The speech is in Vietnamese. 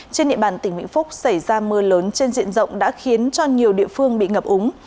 trên địa bàn tỉnh vĩnh phúc xảy ra mưa lớn trên diện rộng đã khiến cho nhiều địa phương bị ngập úng